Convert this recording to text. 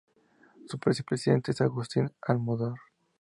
Su vicepresidente es Agustín Almodóvar.